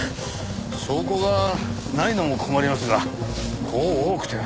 証拠がないのも困りますがこう多くては。